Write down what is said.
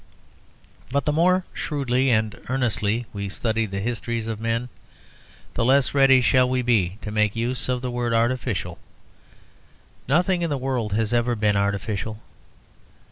But the more shrewdly and earnestly we study the histories of men, the less ready shall we be to make use of the word "artificial." Nothing in the world has ever been artificial.